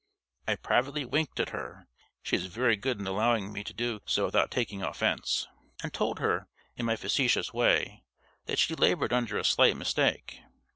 I privately winked at her (she is very good in allowing me to do so without taking offense), and told her, in my facetious way, that she labored under a slight mistake.